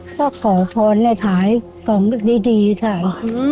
เราขอพรภองดีใช่ไหม